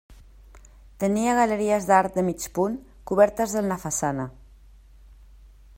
Tenia galeries d'arc de mig punt, cobertes en la façana.